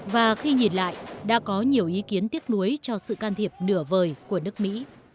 và khi nhìn lại đã có nhiều ý kiến tiếc nuối cho sự can thiệp nửa vời của nước mỹ